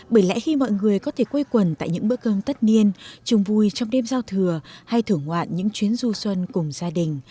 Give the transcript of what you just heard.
bởi lẽ khi mọi người có thể quây quần tại những bữa cơm tất niên chung vui trong đêm giao thừa hay thưởng ngoạn những chuyến du xuân cùng gia đình